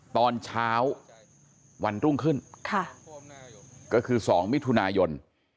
ตอนเช้าวันรุ่งขึ้นก็คือ๒มิถุนายน